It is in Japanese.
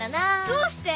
どうして？